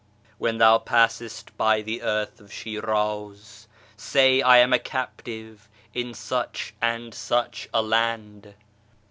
When thou passest by the earth of Shiraz Say I am a captive in such and such a land